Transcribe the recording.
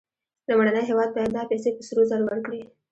لومړنی هېواد باید دا پیسې په سرو زرو ورکړي